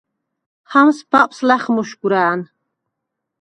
ჰამს ბაპს ლა̈ხმუშგუ̂რა̄̈ნ.